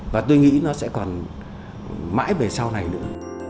và tôi nghĩ nó sẽ còn mãi về sau này nữa